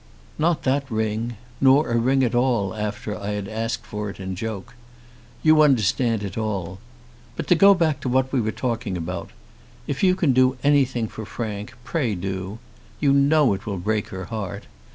"Not that ring; nor a ring at all after I had asked for it in joke. You understand it all. But to go back to what we were talking about, if you can do anything for Frank, pray do. You know it will break her heart.